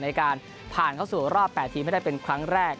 ในการผ่านเข้าสู่รอบ๘ทีมให้ได้เป็นครั้งแรก